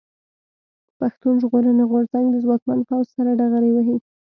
پښتون ژغورني غورځنګ د ځواکمن پوځ سره ډغرې وهي.